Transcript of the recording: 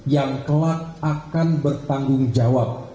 yang kelak akan bertanggung jawab